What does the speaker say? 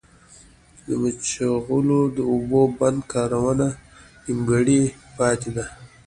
د مچلغو د اوبو بند کارونه نيمګړي پاتې دي